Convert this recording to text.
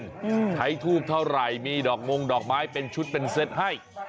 ใช้ทูบเท่าไหร่มีดอกมงดอกไม้เป็นชุดเป็นเซตให้